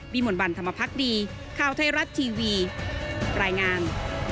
มนต์วันธรรมพักดีข่าวไทยรัฐทีวีรายงาน